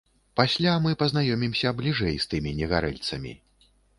Пасля мы пазнаёмімся бліжэй з тымі негарэльцамі.